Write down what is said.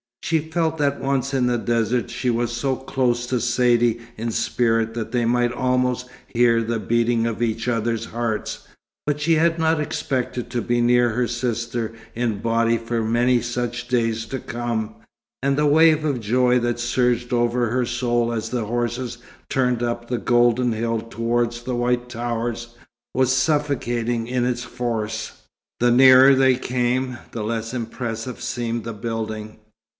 She felt that once in the desert she was so close to Saidee in spirit that they might almost hear the beating of each other's hearts, but she had not expected to be near her sister in body for many such days to come: and the wave of joy that surged over her soul as the horses turned up the golden hill towards the white towers, was suffocating in its force. The nearer they came, the less impressive seemed the building.